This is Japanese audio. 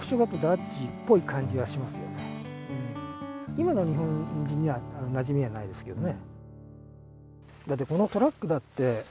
今の日本人には、なじみはないですけどね。